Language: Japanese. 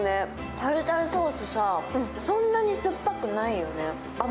タルタルソースさ、そんなに酸っぱくないよね。